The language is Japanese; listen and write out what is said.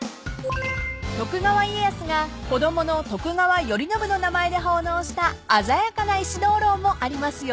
［徳川家康が子供の徳川頼宣の名前で奉納した鮮やかな石灯籠もありますよ］